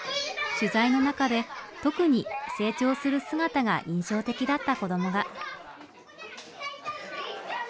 取材の中で特に成長する姿が印象的だった子どもが。